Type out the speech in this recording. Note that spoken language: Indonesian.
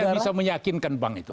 saya yang bisa meyakinkan bank itu